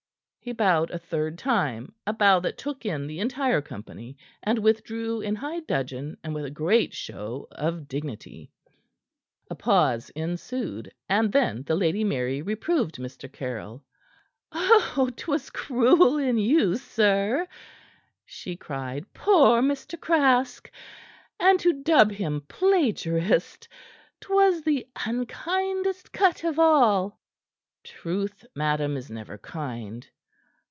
He bowed a third time a bow that took in the entire company and withdrew in high dudgeon and with a great show of dignity. A pause ensued, and then the Lady Mary reproved Mr. Caryll. "Oh, 'twas cruel in you, sir," she cried. "Poor Mr. Craske! And to dub him plagiarist! 'Twas the unkindest cut of all!" "Truth, madam, is never kind."